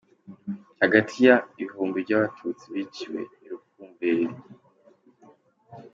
Hagati ya - ibihumbi by’abatutsi biciwe i Rukumberi.